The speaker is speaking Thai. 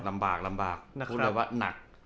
ลำบากพูดเลยว่าหนัก